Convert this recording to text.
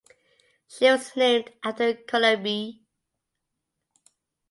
She was named after Colombie.